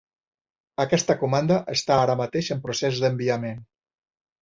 Aquesta comanda està ara mateix en procés d'enviament.